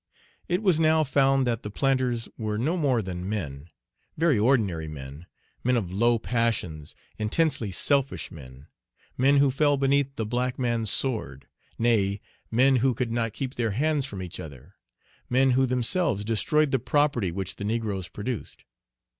It was now found that the planters were no more than men; very ordinary men; men of low passions; intensely selfish men; men who fell beneath the black man's sword; nay, men who could not keep their hands from each other; men who themselves destroyed the property which the negroes produced.